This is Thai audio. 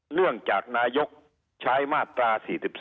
เนื่องจากนายกใช้มาตรา๔๒